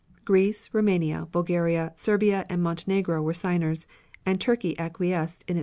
Greece, Roumania, Bulgaria, Serbia and Montenegro were signers, and Turkey acquiesced in its provisions.